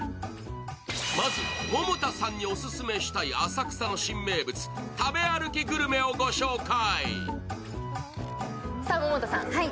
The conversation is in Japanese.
まず百田さんにオススメしたい浅草の新名物、食べ歩きグルメをご紹介。